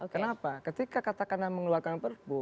kenapa ketika katakanlah mengeluarkan perpu